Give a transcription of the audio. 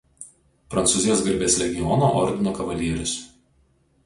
Prancūzijos garbės legiono ordino kavalierius.